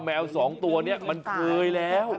แมวสองตัวนี้มันเคยแล้ว